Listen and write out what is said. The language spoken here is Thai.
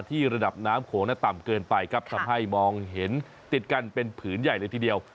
ระดับน้ำโขงต่ำเกินไปครับทำให้มองเห็นติดกันเป็นผืนใหญ่เลยทีเดียว